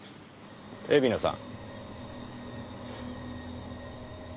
海老名さん。